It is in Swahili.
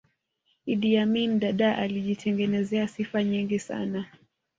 iddi amini dadaa alijitengezea sifa nyingi sana